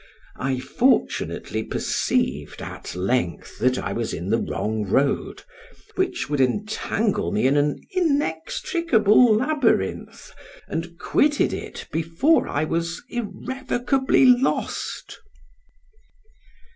I fortunately perceived, at length, that I was in the wrong road, which would entangle me in an inextricable labyrinth, and quitted it before I was irrevocably lost.